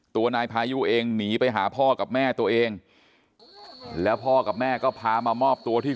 ตัวนายพายุเองหนีไปหาพ่อกับแม่ตัวเองแล้วพ่อกับแม่ก็พามามอบตัวที่